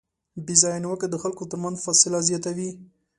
بېځایه نیوکه د خلکو ترمنځ فاصله زیاتوي.